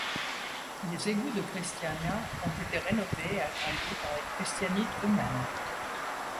Les égouts de Christiania ont été rénovés et agrandis par les Christianites eux-mêmes.